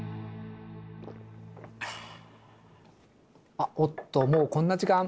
あっおっともうこんな時間。